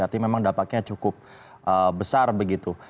artinya memang dampaknya cukup besar begitu